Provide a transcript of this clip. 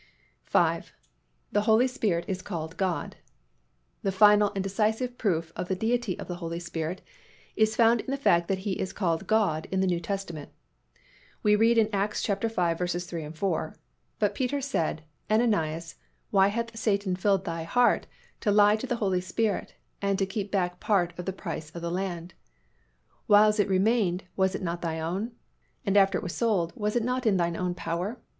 V. The Holy Spirit is called God. The final and decisive proof of the Deity of the Holy Spirit is found in the fact that He is called God in the New Testament. We read in Acts v. 3, 4, "But Peter said, Ananias, why hath Satan filled thine heart to lie to the Holy Ghost, and to keep back part of the price of the land? Whiles it remained, was it not thine own? And after it was sold, was it not in thine own power?